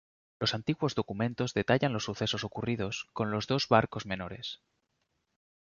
Los antiguos documentos detallan los sucesos ocurridos con los dos barcos menores.